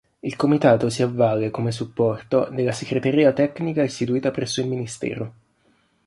Il Comitato si avvale, come supporto, della segreteria tecnica istituita presso il Ministero.